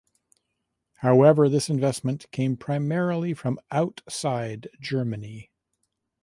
However this investment came primarily from outside Germany.